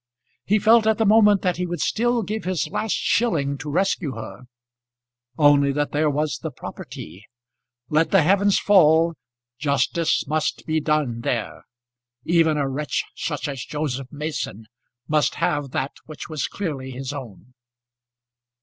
He felt at the moment that he would still give his last shilling to rescue her, only that there was the property! Let the heavens fall, justice must be done there. Even a wretch such as Joseph Mason must have that which was clearly his own.